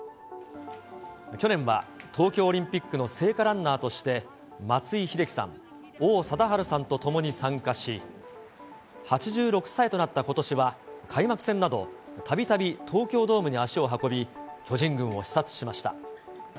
去年は東京オリンピックの聖火ランナーとして、松井秀喜さん、王貞治さんと共に参加し、８６歳となったことしは、開幕戦など、たびたび東京ドームに足を運び、巨人軍を視察しました。